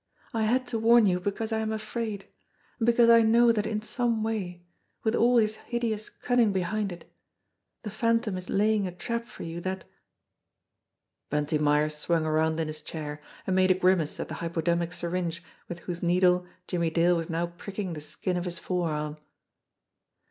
I had to warn you because I am afraid, and because I know that in some way, with all his hideous cunning behind it, the Phantom is laying a trap for you that " Bunty Myers swung around in his chair, and made a gri mace at the hypodermic syringe with whose needle Jimmie Dale was now pricking the skin of his forearm.